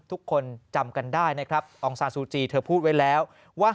ทุกคนจำกันได้นะครับองซาซูจีเธอพูดไว้แล้วว่า